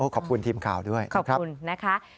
ขอบคุณทีมข่าวด้วยนะครับขอบคุณนะคะขอบคุณ